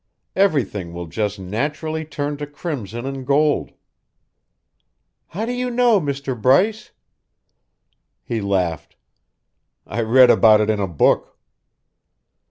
Everything will just naturally turn to crimson and gold." "How do you know, Mr Bryce?" He laughed. "I read about it in a book."